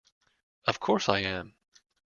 Of course I am!